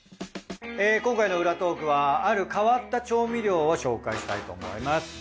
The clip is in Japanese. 今回の裏トークはある変わった調味料を紹介したいと思います。